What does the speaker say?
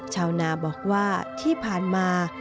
ชาวนาบอกว่าที่ผ่านมา